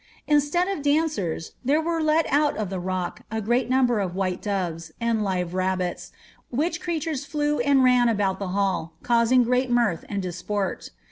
Instead of dancers, there were let out of the rock a great number of white doves,' and live rabbits, which creatures ilew and ran about the hall, causing great mirth and disport.